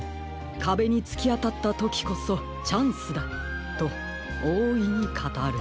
『かべにつきあたったときこそチャンスだ』とおおいにかたる」。